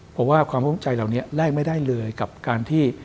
เพราะว่าความเข้าใจเหล่านี้แลกไม่ได้เลยกับการที่